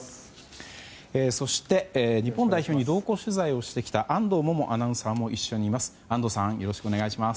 そして日本代表に同行取材をしてきた安藤萌々アナウンサーも一緒にいます。